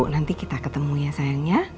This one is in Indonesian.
nanti kita ketemu ya sayang ya